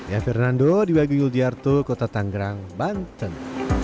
ya fernando di baguil diarto kota tanggerang banten